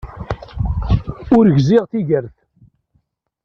Ur gziɣ tigert.